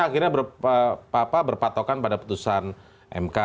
akhirnya berpatokan pada putusan mk